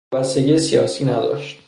او وابستگی سیاسی نداشت.